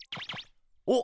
おっ！